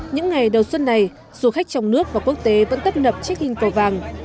những ngày đầu xuân này du khách trong nước và quốc tế vẫn tấp nập trích hình cầu vàng